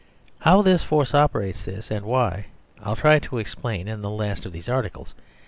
How this force op erates thus, and why, I will try to explain in the last of these articles.